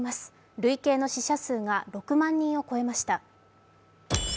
累計の死者数が６万人を超えました。